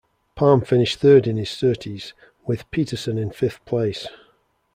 Palm finished third in his Surtees, with Peterson in fifth place.